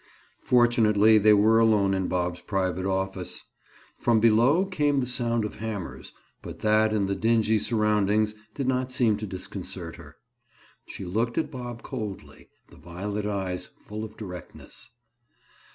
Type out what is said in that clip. Fortunately they were alone in Bob's private office. From below came the sound of hammers, but that and the dingy surroundings did not seem to disconcert her. She looked at Bob coldly, the violet eyes full of directness.